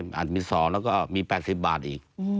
อาจมี๒แล้วก็มี๘๐บาทอีก